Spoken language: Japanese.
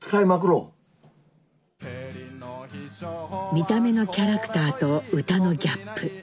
⁉見た目のキャラクターと歌のギャップ。